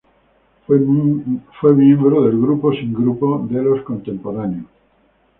Fue miembro del "Grupo sin Grupo" de Los Contemporáneos.